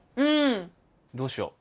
どうしよう。